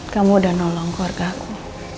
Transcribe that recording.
kamu udah nolong keluarga aku